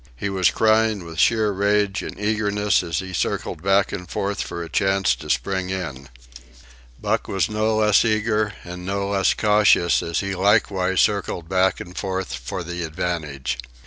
He was crying with sheer rage and eagerness as he circled back and forth for a chance to spring in. Buck was no less eager, and no less cautious, as he likewise circled back and forth for the advantage.